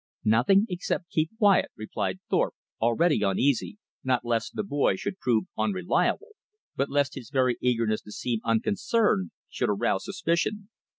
"Nothing except keep quiet," replied Thorpe, already uneasy, not lest the boy should prove unreliable, but lest his very eagerness to seem unconcerned should arouse suspicion.